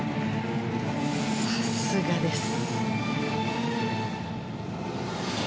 さすがです。